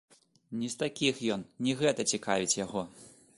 Не з такіх ён, не гэта цікавіць яго.